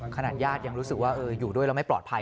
ขนาดญาติยังรู้สึกว่าอยู่ด้วยแล้วไม่ปลอดภัย